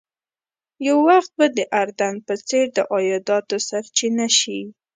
یو وخت به د اردن په څېر د عایداتو سرچینه شي.